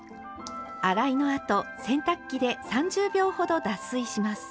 洗いのあと洗濯機で３０秒ほど脱水します。